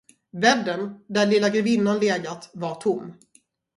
Bädden, där lilla grevinnan legat, var tom.